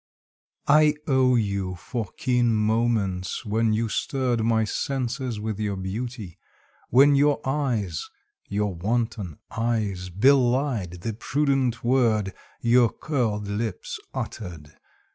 I owe you for keen moments when you stirred My senses with your beauty, when your eyes (Your wanton eyes) belied the prudent word Your curled lips uttered.